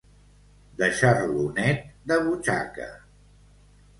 Deixar-lo net de butxaca.